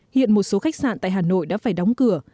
hiện một số khách sạn tại hà nội đã phải đóng cửa